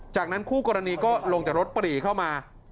จากนั้นคู่กรณีก็ลงจากรถปรีเข้ามา